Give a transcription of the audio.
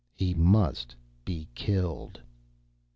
"He must be killed."